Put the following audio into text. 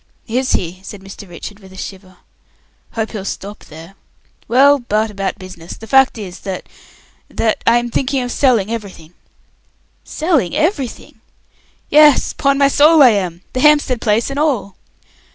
"Is he?" said Mr. Richard, with a shiver. "Hope he'll stop there. Well, but about business. The fact is, that that I am thinking of selling everything." "Selling everything!" "Yes. 'Pon my soul I am. The Hampstead place and all."